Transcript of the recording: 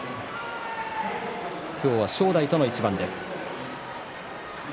今日は正代との一番です。